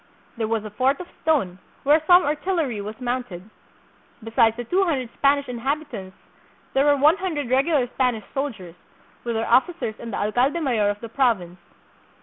There was a fort of stone, where some artillery was mounted. Be sides the two hundred Spanish inhabitants there were one hundred regular Spanish soldiers, with their officers and the alcalde mayor of the province.